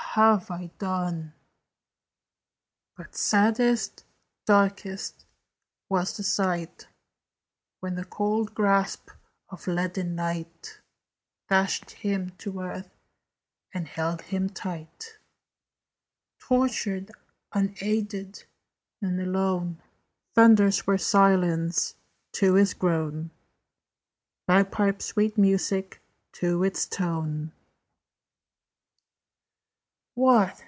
[Illustration: "TORTURED, UNAIDED, AND ALONE"] But saddest, darkest was the sight, When the cold grasp of leaden Night Dashed him to earth, and held him tight. Tortured, unaided, and alone, Thunders were silence to his groan, Bagpipes sweet music to its tone: "What?